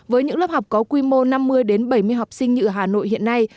với những lớp học có quy mô năm mươi bảy mươi học sinh như hà nội hiện nay